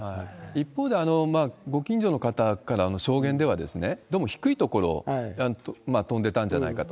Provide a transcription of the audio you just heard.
一方で、ご近所の方からの証言では、どうも低い所を飛んでたんじゃないかと。